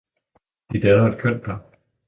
De danner et kønt par.